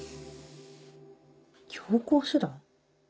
強行手段？